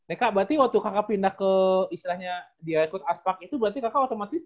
neka berarti waktu kakak pindah ke istilahnya dia ikut aspak itu berarti kakak otomatis